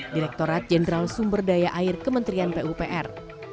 direkturat jenderal sumber daya air kementerian pupr